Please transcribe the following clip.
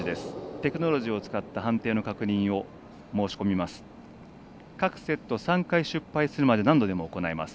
テクノロジーを使った判定の確認を申し込みます。